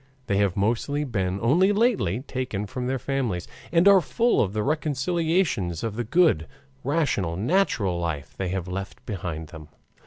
They have mostly been only lately taken from their families, and are full of the recollections of the good, rational, natural life they have left behind them.